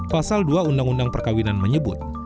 pasal dua undang undang perkawinan menyebut